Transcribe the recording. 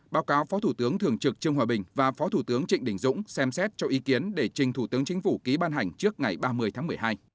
báo cáo phó thủ tướng thường trực trương hòa bình và phó thủ tướng trịnh đình dũng xem xét cho ý kiến để trình thủ tướng chính phủ ký ban hành trước ngày ba mươi tháng một mươi hai